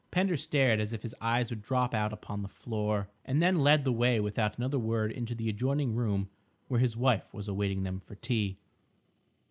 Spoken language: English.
Pender stared as if his eyes would drop out upon the floor, and then led the way without another word into the adjoining room where his wife was awaiting them for tea.